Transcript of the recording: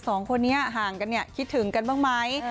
สองคนนี้ห่างกันเนี่ยคิดถึงกันบ้างไหม